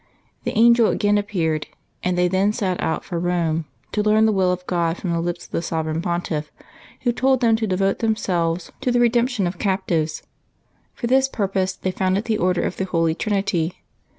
The angel again appeared, and they then set out for Eome, to learn the will of God from the lips of the Sovereign Pontiff, who told them to devote themselves to the redemption of 68 LIVES OP THE SAINTS [Febeuary 9 captives. For this purpose they founded the Order of the Holy Trinity.